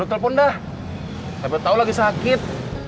udah telepon dah sampai tau lagi sakit